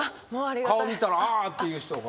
顔見たら「ああ」っていう人が。